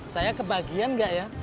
saya kebagian gak ya